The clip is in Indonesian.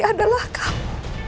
bayi adalah kamu